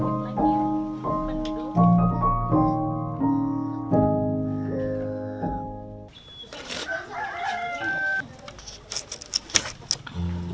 kalau sudah silakan pergi ke kamar saya